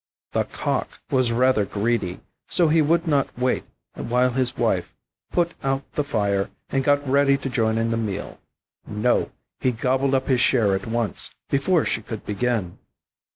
The Cock was rather greedy, so he would not wait while his wife put out the fire and got ready to join in the meal. No! he gobbled up his share at once, before she could begin.